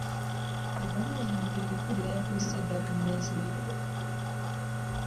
Ebbaluwa yange erekulira yatuuse dda ku mmeeza yo.